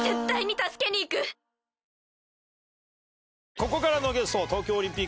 ここからのゲスト。